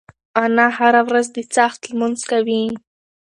انا هره ورځ د څاښت لمونځ کوي.